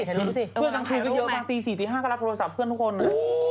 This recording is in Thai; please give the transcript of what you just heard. เพื่อนกลางคืนก็เยอะนะตี๔ตี๕ก็รับโทรศัพท์เพื่อนทุกคน